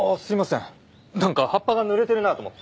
なんか葉っぱが濡れてるなと思って。